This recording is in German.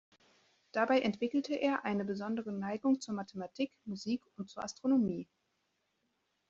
Dabei entwickelte er eine besondere Neigung zur Mathematik, Musik und zur Astronomie.